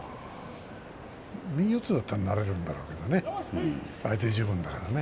右四つだってなれるるんだろうけどね、相手十分だからね。